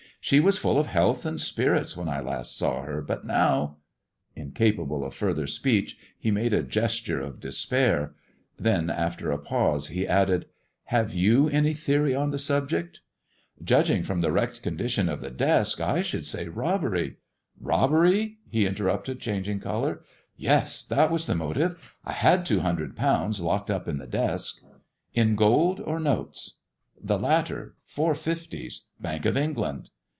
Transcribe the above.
She was fnll of health and spirits when I last saw her, but now " Incapable of further speech he made a gesture of despair. Then, after a pause, he added, " Have you any theory on the subject t " 256 THE GREEN STONE GOD AND THE STOCEBBOKEB "Judging from the wrecked condition of the desk I should say robbery "" Robbery 1" he interrupted, changing colour. ^'Yes, that was the motive. I had two hundred pounds locked up in the desk." " In gold or notes 1 "" The latter. Four fifties. Bank of England."